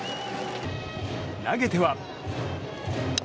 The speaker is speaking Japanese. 投げては。